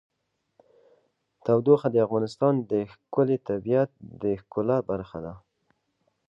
تودوخه د افغانستان د ښکلي طبیعت د ښکلا برخه ده.